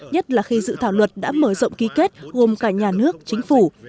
nhất là khi dự thảo luật đã mở rộng ký kết gồm cả nhà nước chính phủ